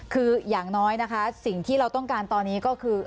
คืออย่างน้อยนะคะสิ่งที่เราต้องการตอนนี้ก็คือ